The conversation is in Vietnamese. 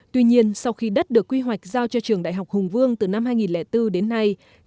tuy nhiên sau khi đất được quy hoạch giao cho trường đại học hùng vương từ năm hai nghìn bốn đến nay